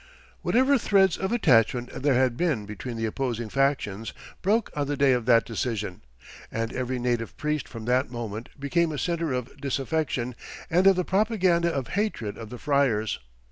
Whatever threads of attachment there had been between the opposing factions broke on the day of that decision, and every native priest from that moment became a center of disaffection and of the propaganda of hatred of the friars.